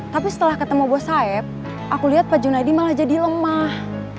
tapi setelah ketemu bos saib aku lihat pak junaidi malah jadi lemah